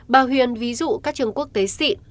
bà huyền ví dụ các trường quốc tế xịn